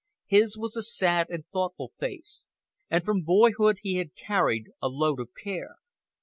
His was a sad and thoughtful face, and from boyhood he had carried a load of care.